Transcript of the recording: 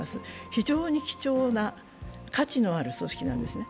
非常に貴重な、価値のある組織なんですね。